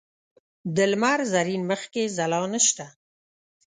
د لمر زرین مخ کې ځلا نشته